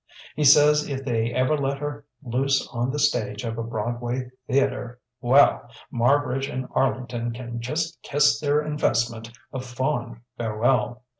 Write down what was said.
He says if they ever let her loose on the stage of a Broadway theatre well, Marbridge and Arlington can just kiss their investment a fond farewell.